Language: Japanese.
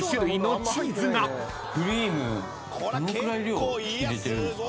クリームどのくらい量入れてるんですか？